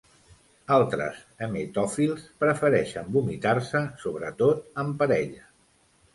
Altres emetòfils prefereixen vomitar-se, sobretot en parella.